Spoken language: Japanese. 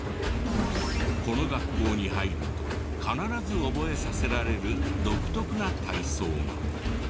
この学校に入ると必ず覚えさせられる独特な体操が。